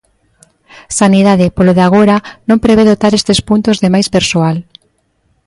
Sanidade, polo de agora, non prevé dotar estes puntos de máis persoal.